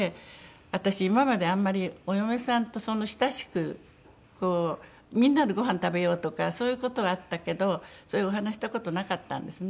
私今まであんまりお嫁さんとそんな親しくみんなでごはん食べようとかそういう事はあったけどそういうお話しした事なかったんですね。